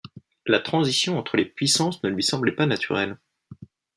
La transition entre les puissances ne lui semblait pas naturelle.